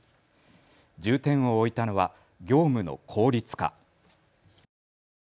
重点を置いたのは業務の効率化。